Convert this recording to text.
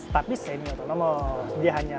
tapi semi otonomo dia hanya